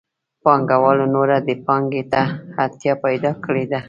پانګوالو نوره دې پانګې ته اړتیا پیدا کړې ده